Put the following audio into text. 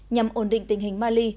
nhằm ổn định tình hình mali